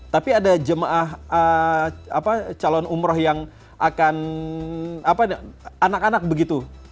tapi ada jemaah calon umroh yang akan anak anak begitu